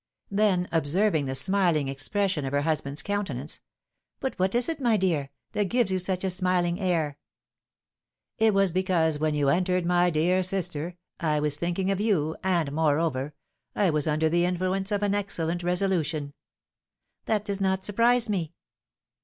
Then, observing the smiling expression of her husband's countenance, "But what is it, my dear, that gives you such a smiling air?" "It was because, when you entered, my dear sister, I was thinking of you, and, moreover, I was under the influence of an excellent resolution." "That does not surprise me."